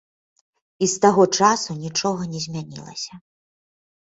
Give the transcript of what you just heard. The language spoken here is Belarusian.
І з таго часу нічога не змянілася.